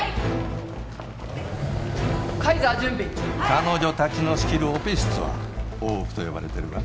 彼女たちの仕切るオペ室は大奥と呼ばれてるわ。